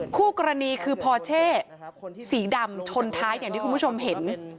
คู่กรณีคือพอเช่สีดำชนท้ายอย่างที่คุณผู้ชมเห็น